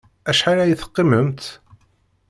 Acḥal ay teqqimemt?